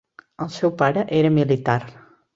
El seu pare era militar.